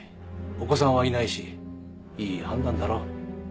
お子さんはいないしいい判断だろう。